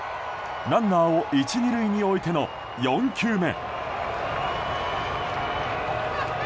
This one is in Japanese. ランナーを１、２塁に置いての４球目。